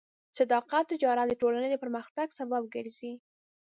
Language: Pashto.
صادق تجارت د ټولنې د پرمختګ سبب ګرځي.